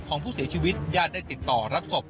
ของผู้เสียชีวิตญาติได้ติดต่อรับศพ